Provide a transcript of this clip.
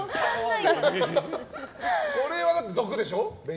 これは毒でしょ？